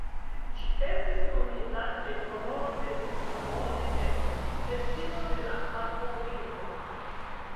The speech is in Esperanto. Ĝi estis nomita en honoro de "Simone Ek", edzino de la malkovrinto.